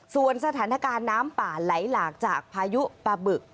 ส่วนสถานการณ์น้ำป่าไหลหลากจากพายุปลาบึก